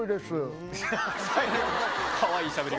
かわいいしゃべり方。